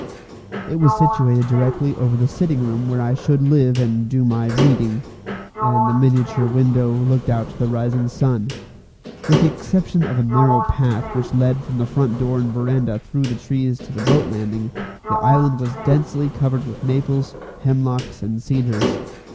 It was situated directly over the sitting room where I should live and do my "reading," and the miniature window looked out to the rising sun. With the exception of a narrow path which led from the front door and verandah through the trees to the boat landing, the island was densely covered with maples, hemlocks, and cedars.